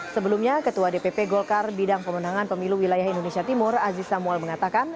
sebelumnya ketua dpp golkar bidang pemenangan pemilu wilayah indonesia timur aziz samuel mengatakan